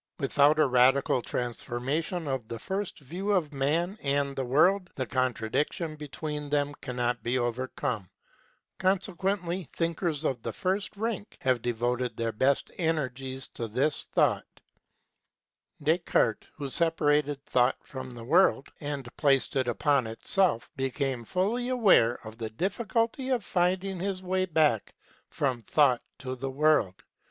Without a radical transformation of the first view of man and the world the contradiction between them cannot be overcome. Conse quently thinkers of the first rank have devoted their best energies to this task. Descartes, who separated Thought from the World and placed it upon itself, became fully aware of the difficulty of finding his way back from Thought to the World.